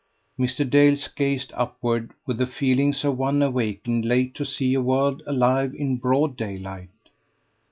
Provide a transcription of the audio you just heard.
Mr. Dale gazed upward, with the feelings of one awakened late to see a world alive in broad daylight.